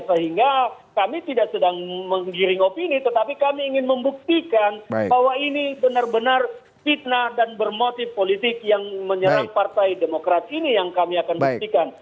sehingga kami tidak sedang menggiring opini tetapi kami ingin membuktikan bahwa ini benar benar fitnah dan bermotif politik yang menyerang partai demokrat ini yang kami akan buktikan